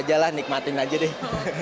ya enjoy aja lah nikmatin aja deh